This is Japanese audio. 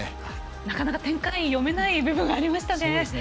なかなか展開読めない部分がありましたね。